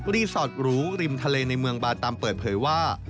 รีสอร์ทหรูริมทะเลในเมืองบาตำเปิดเผยว่า